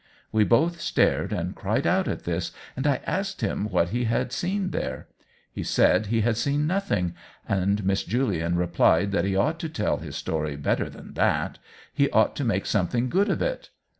We both stared and cried out at this, and I asked him what he had seen there. He said he had seen nothing, and Miss Julian replied that he ought to tell his story better than that — he ought to make something good of it.